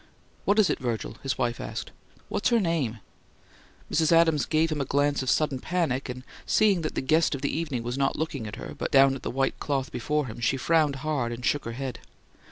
"What is it, Virgil?" his wife asked. "What's her name?" Mrs. Adams gave him a glance of sudden panic, and, seeing that the guest of the evening was not looking at her, but down at the white cloth before him, she frowned hard, and shook her head.